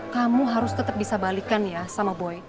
kamu harus tetap bisa balikan ya sama boy